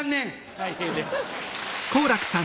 たい平です。